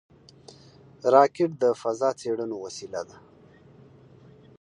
راکټ د فضا څېړنو وسیله ده